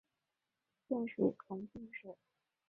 现属重庆市。